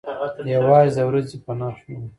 یوازې د ورځې په نرخ نه و.